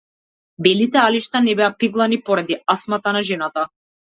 Белите алишта не беа пеглани поради астмата на жената.